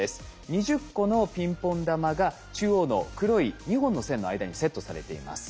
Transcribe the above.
２０個のピンポン玉が中央の黒い２本の線の間にセットされています。